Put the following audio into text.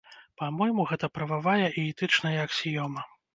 Па-мойму, гэта прававая і этычная аксіёма.